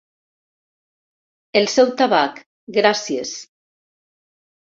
El seu tabac, gràcies.